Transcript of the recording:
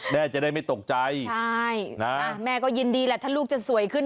แม่จะได้ไม่ตกใจใช่นะแม่ก็ยินดีแหละถ้าลูกจะสวยขึ้น